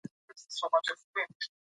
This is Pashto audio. د ماشومانو پاکوالي ته ځانګړې پاملرنه وکړئ.